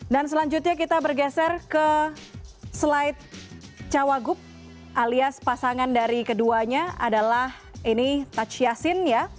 dan selanjutnya kita bergeser ke slide cagup alias pasangan dari keduanya adalah ini tachiasin ya